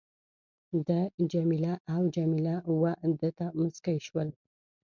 ده جميله او جميله وه ده ته مسکی شول.